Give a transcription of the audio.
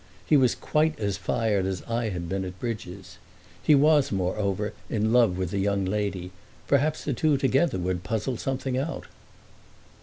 He was quite as fired as I had been at Bridges. He was moreover in love with the young lady: perhaps the two together would puzzle something out.